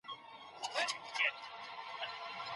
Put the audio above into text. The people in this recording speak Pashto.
صحابه وو پوښتنه وکړه، اې د الله رسوله!